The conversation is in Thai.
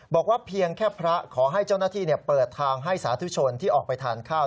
บอกว่าเพียงแค่พระขอให้เจ้าหน้าที่เปิดทางให้สาธุชนที่ออกไปทานข้าว